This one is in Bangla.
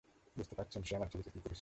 বুঝতে পারছেন সে আমার ছেলেকে কী করেছে?